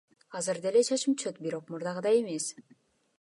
Азыр деле чачым түшөт, бирок мурдагыдай эмес.